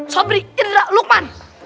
sobri indra lukman